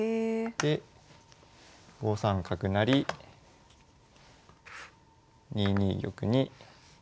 で５三角成２二玉に３一馬と。